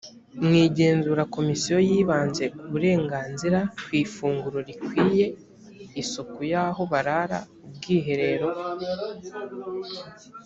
mu igenzura komisiyo yibanze ku burenganzira ku ifunguro rikwiye isuku y aho barara ubwiherero